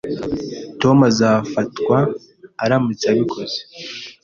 Tom azafatwa aramutse abikoze